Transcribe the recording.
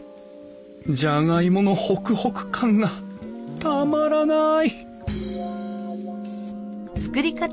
じゃがいものホクホク感がたまらない！